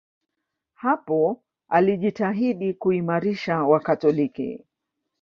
Hapo alijitahidi kuimarisha Wakatoliki.